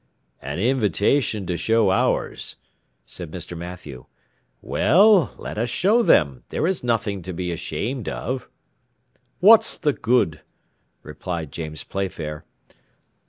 "An invitation to show ours," said Mr. Mathew. "Well, let us show them; there is nothing to be ashamed of." "What's the good?" replied James Playfair.